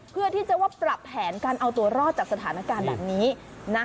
เพื่อที่จะว่าปรับแผนการเอาตัวรอดจากสถานการณ์แบบนี้นะ